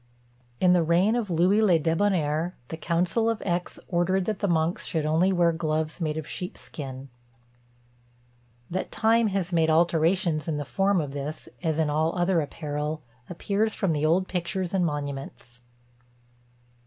In the reign of Louis le Debonair, the council of Aix ordered that the monks should only wear gloves made of sheep skin. That time has made alterations in the form of this, as in all other apparel, appears from the old pictures and monuments.